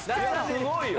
すごいよ。